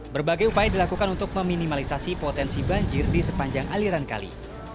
berbagai upaya dilakukan untuk meminimalisasi potensi banjir di sepanjang aliran kali